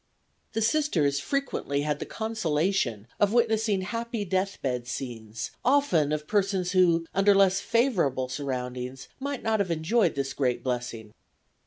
The Sisters frequently had the consolation of witnessing happy deathbed scenes, often of persons who, under less favorable surroundings might not have enjoyed this great blessing.